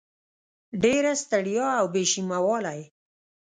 ډېره ستړیا او بې شیمه والی